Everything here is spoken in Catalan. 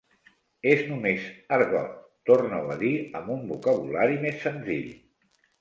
És només argot! Torna-ho a dir amb un vocabulari més senzill